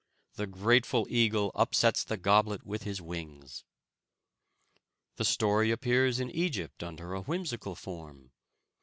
The grateful eagle upsets the goblet with his wings. The story appears in Egypt under a whimsical form.